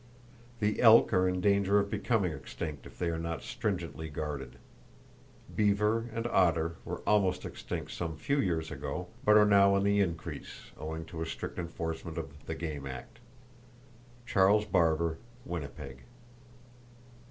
The elk are in danger of becoming extinct if they are not stringently guarded. Beaver and otter were almost extinct some few years ago, but are now on the increase, owing to a strict enforcement of the "Game Act."—(Charles Barber, Winnipeg.)